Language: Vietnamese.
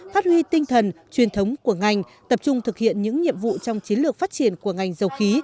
phát huy tinh thần truyền thống của ngành tập trung thực hiện những nhiệm vụ trong chiến lược phát triển của ngành dầu khí